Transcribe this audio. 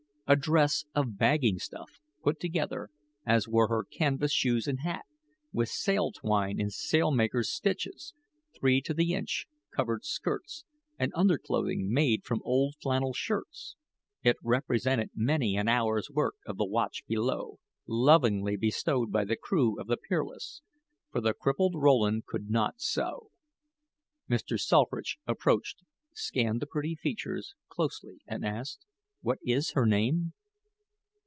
A dress of bagging stuff, put together as were her canvas shoes and hat with sail twine in sail makers' stitches, three to the inch, covered skirts and underclothing made from old flannel shirts. It represented many an hour's work of the watch below, lovingly bestowed by the crew of the Peerless; for the crippled Rowland could not sew. Mr. Selfridge approached, scanned the pretty features closely, and asked: "What is her name?"